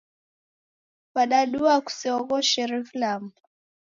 Kwadadua kuseoghoshere vilambo?